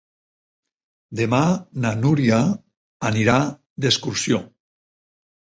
Demà na Núria anirà d'excursió.